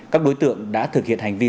các đối tượng đã thực hiện hành vi